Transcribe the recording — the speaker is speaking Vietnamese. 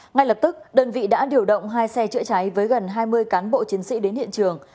ngay lập tức đơn vị đã điều động hai xe chữa cháy với gần hai mươi cán bộ chiến sĩ đến hiện trường